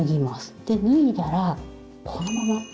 で脱いだらこのまま。